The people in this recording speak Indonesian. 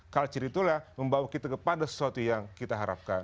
culture itulah membawa kita kepada sesuatu yang kita harapkan